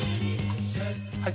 はい。